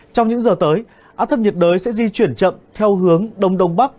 trong những giờ tới áp thấp nhiệt đới sẽ di chuyển chậm theo hướng đông đông bắc